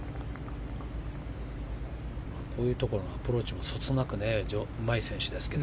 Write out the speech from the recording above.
こういうところのアプローチもそつなくうまい選手ですけど。